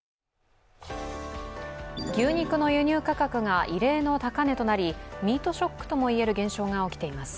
牛肉の輸入価格が異例の高値となりミートショックともいえる現象が起きています。